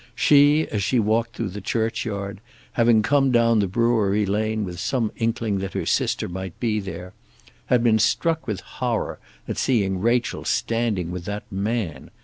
She, as she walked through the churchyard, having come down the brewery lane with some inkling that her sister might be there, had been struck with horror at seeing Rachel standing with that man.